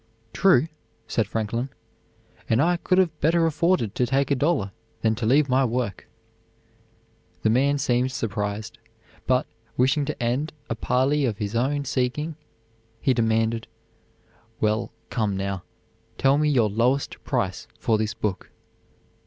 "True," said Franklin, "and I could have better afforded to take a dollar than to leave my work." The man seemed surprised; but, wishing to end a parley of his own seeking, he demanded: "Well, come now, tell me your lowest price for this book."